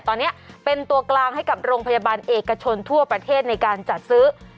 ตอนนี้เป็นตัวกลางให้กับโรงพยาบาลเอกชนทั่วประเทศในการจัดซื้อ